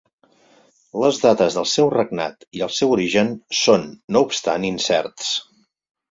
Les dates del seu regnat i el seu origen són no obstant incerts.